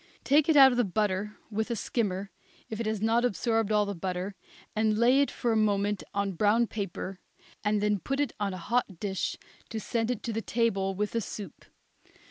Take it out of the butter with a skimmer, if it has not absorbed all the butter, and lay it for a moment on brown paper, and then put it on a hot dish to send to the table with the soup.